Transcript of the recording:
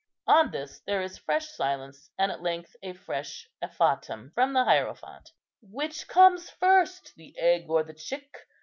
On this there is a fresh silence, and at length a fresh effatum from the hierophant: 'Which comes first, the egg or the chick?